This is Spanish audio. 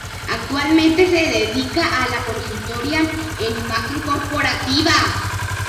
Actualmente se dedica a la consultoría en imagen corporativa.